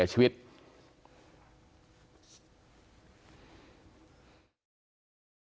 ก็ไม่ได้มีธรรมดีใครอะไร